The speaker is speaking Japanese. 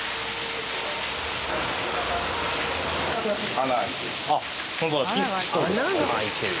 穴が開いてる。